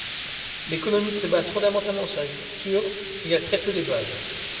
L'économie se base fondamentalement sur l'agriculture, il y a très peu d'élevage.